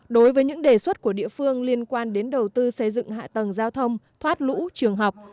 đối với những đề xuất của địa phương liên quan đến đầu tư xây dựng hạ tầng giao thông thoát lũ trường học